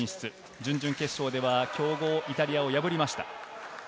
準々決勝では強豪イタリアを破りました。